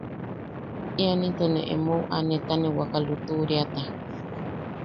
Ian into ne emou a netane waka lutuʼuriata.